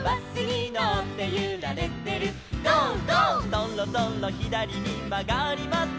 「そろそろひだりにまがります」